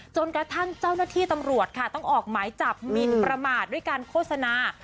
จนกระทั่งเจ้าหน้าที่ตำรวจค่ะต้องออกหมายจับมินประมาทด้วยการโฆษณา